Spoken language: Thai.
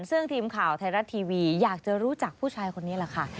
ซึ่งทีมข่าวไทยรัฐทีวีอยากจะรู้จักผู้ชายคนนี้แหละค่ะ